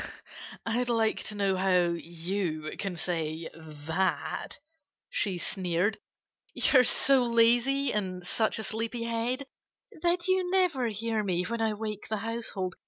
"I'd like to know how you can say that," she sneered. "You're so lazy and such a sleepy head that you never hear me when I wake the household.